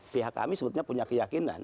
pihak kami sebetulnya punya keyakinan